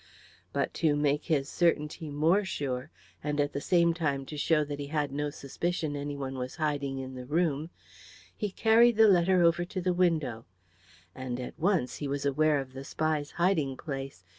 But to make his certainty more sure, and at the same time to show that he had no suspicion anyone was hiding in the room, he carried the letter over to the window, and at once he was aware of the spy's hiding place.